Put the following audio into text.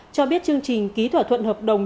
cho biết chương trình ký thỏa thuận hợp đồng